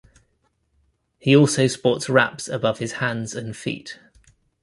He also sports wraps above his hands and feet.